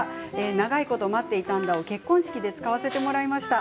「長いこと待っていたんだ」を結婚式で使わせてもらいました。